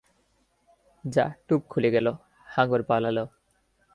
যা টোপ খুলে গেল! হাঙ্গর পালাল।